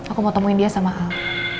aku mau temuin dia sama al